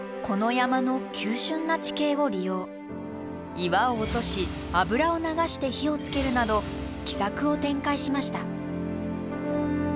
岩を落とし油を流して火をつけるなど奇策を展開しました。